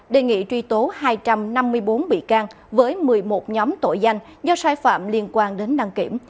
đề nghị truy tố hai trăm năm mươi bốn bị can với một mươi một nhóm tội danh do sai phạm liên quan đến đăng kiểm